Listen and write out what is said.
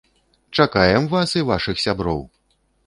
Чакаем вас і вашых сяброў!